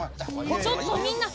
ちょっとみんな！